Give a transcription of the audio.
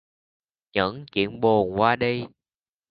Những chuyện buồn qua đi